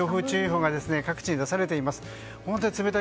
強風注意報が各地に出されています。